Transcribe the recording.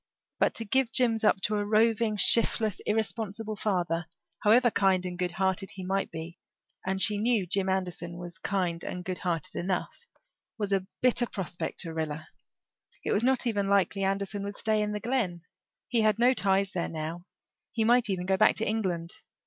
But to give Jims up to a roving, shiftless, irresponsible father, however kind and good hearted he might be and she knew Jim Anderson was kind and good hearted enough was a bitter prospect to Rilla. It was not even likely Anderson would stay in the Glen; he had no ties there now; he might even go back to England.